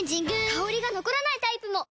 香りが残らないタイプも！